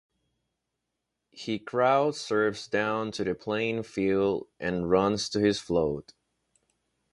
He crowd surfs down to the playing field, and runs to his float.